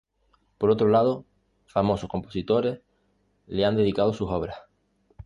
Por otro lado, famosos compositores le han dedicado sus obras.